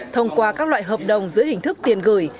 thông qua các loại hợp đồng giữa hình thức tiền gửi